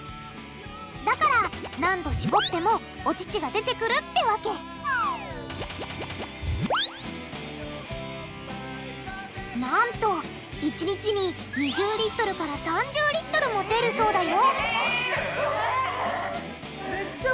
だから何度しぼってもお乳が出てくるってわけなんと１日に２０リットルから３０リットルも出るそうだよ！